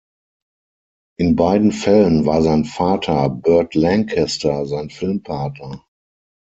In beiden Fällen war sein Vater Burt Lancaster sein Filmpartner.